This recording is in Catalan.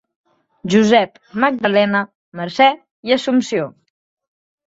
Josep, Magdalena, Mercè i Assumpció.